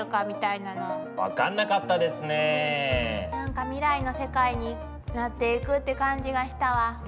なんか未来の世界になっていくって感じがしたわ。